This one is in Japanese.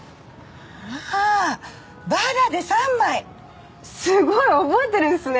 ああーバラで３枚すごい覚えてるんですね